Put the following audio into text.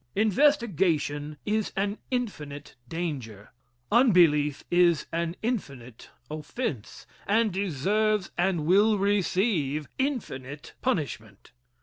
Investigation is an infinite danger, unbelief is an infinite offence and deserves and will receive infinite punishment.